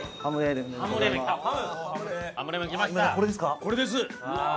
これですか？